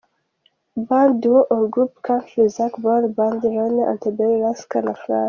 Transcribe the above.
Band, duo or group, country: Zac Brown Band, Lady Antebellum, Rascal Flatts.